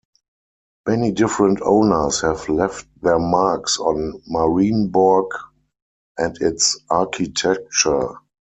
Many different owners have left their marks on Marienborg and its architecture.